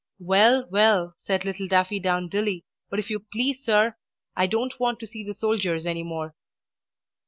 "Well, well," said little Daffydowndilly, "but if you please, sir, I don't want to see the soldiers any more."